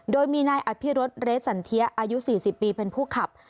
โดยมีนายอภิรสเรสสันเทียอายุ๔๐ปีเป็นผู้ขับ